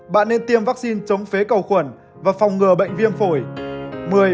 bạn nên tiêm vaccine chống phế cầu khuẩn và phòng ngừa bệnh viêm phổi